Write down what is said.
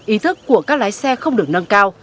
ý thức của các lái xe không được nâng cao